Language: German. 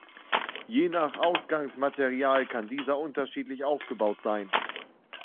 Je nach Ausgangsmaterial kann dieser unterschiedlich aufgebaut sein.